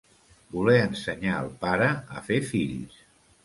Voler ensenyar el pare a fer fills.